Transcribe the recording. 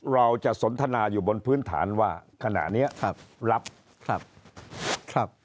เราจะสนทนาอยู่บนพื้นฐานว่าขณะนี้ครับรับครับครับ